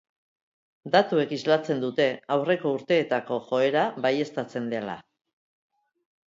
Datuek islatzen dute aurreko urteetako joera baieztatzen dela.